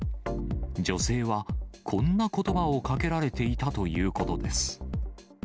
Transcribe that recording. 女性は、こんなことばをかけられていたということです。